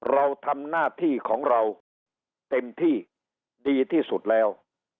เราทำหน้าที่ของเราเต็มที่ดีที่สุดแล้ว